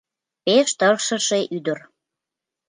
Пеш тыршыше ӱдыр.